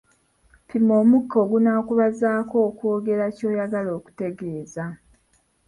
Pima omukka ogunaakumazaako okwogera ky'oyagala okutegeeza.